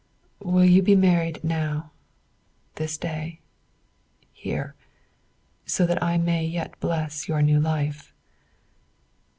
Will you be married now, this day, here, so that I may yet bless your new life?